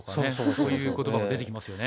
そういう言葉が出てきますよね。